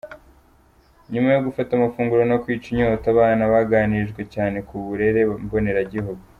Nyuma yo gufata amafunguro no kwica inyota abana baganirijwe cyane ku burere mbonera gihugu.